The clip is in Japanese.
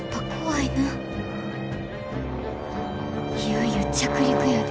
いよいよ着陸やで。